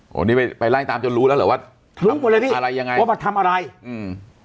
วันนี้ไปไปไล่ตามจนรู้แล้วเหรอว่ารู้หมดเลยดิอะไรยังไงว่ามาทำอะไรอืม